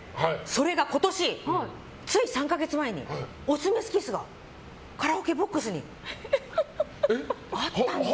それが今年、つい３か月前に「♂・♀・Ｋｉｓｓ」がカラオケボックスにあったんです。